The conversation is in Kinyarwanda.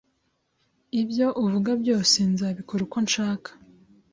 Ibyo uvuga byose, nzabikora uko nshaka.